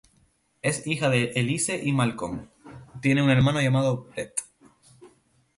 Es hija de Elise y Malcolm, tiene un hermano llamado Brett.